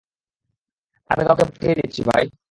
আমি কাউকে পাঠিয়ে দিচ্ছি, ভাই।